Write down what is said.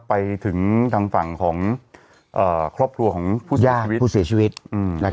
ไปถึงทางฝั่งของเอ่อครอบครัวของผู้เสียชีวิตพูดใช่ว่าผู้เสียชีวิต